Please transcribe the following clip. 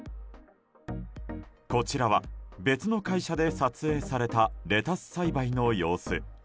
こちらは別の会社で撮影されたレタス栽培の様子。